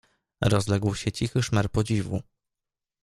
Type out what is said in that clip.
"Rozległ się cichy szmer podziwu."